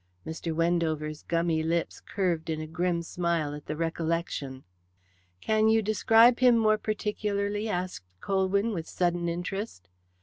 Mr. Wendover's gummy lips curved in a grim smile at the recollection. "Can you describe him more particularly?" asked Colwyn, with sudden interest.